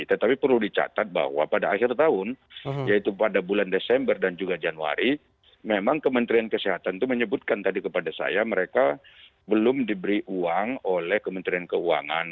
tetapi perlu dicatat bahwa pada akhir tahun yaitu pada bulan desember dan juga januari memang kementerian kesehatan itu menyebutkan tadi kepada saya mereka belum diberi uang oleh kementerian keuangan